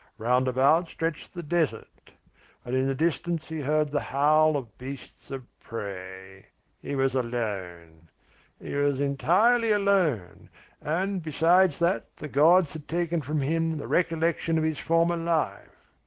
Round about stretched the desert; and in the distance he heard the howl of beasts of prey. He was alone. "He was entirely alone, and, besides that, the gods had taken from him the recollection of his former life.